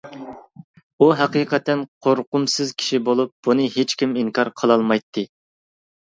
ئۇ ھەقىقەتەن قورقۇمسىز كىشى بولۇپ، بۇنى ھېچكىم ئىنكار قىلالمايتتى.